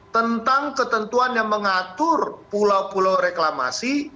tentang ketentuan yang mengatur pulau pulau reklamasi